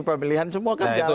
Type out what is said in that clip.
semua kan jalan satu kali